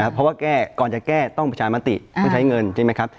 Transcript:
เพราะว่าแก้ก่อนจะแก้ต้องประชามติต้องใช้เงินใช่ไหมครับ